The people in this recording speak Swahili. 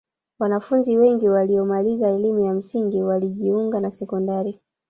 wanafunzi wengi waliyomaliza elimu ya msingi walijiunga na sekondari